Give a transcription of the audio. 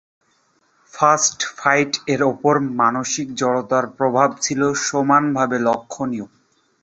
First ফাইট'-এর ওপর মানসিক জড়তার প্রভাবও ছিল সমানভাবে লক্ষণীয়।